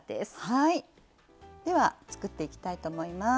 ではつくっていきたいと思います。